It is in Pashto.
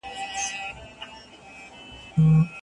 د ميرمنې سره شپه تېرول د هغې کوم حق ګڼل کيږي؟